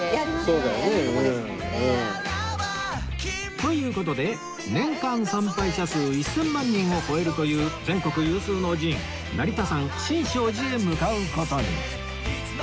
という事で年間参拝者数１０００万人を超えるという全国有数の寺院成田山新勝寺へ向かう事に